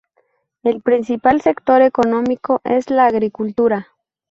El principal sector económico es la agricultura.